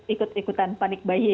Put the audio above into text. ikut ikutan panik bayi